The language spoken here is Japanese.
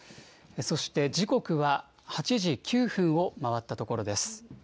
そして、時刻は８時９分を回ったところです。